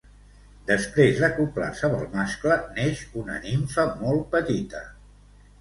Després d'acoblar-se amb el mascle neix una nimfa molt petita.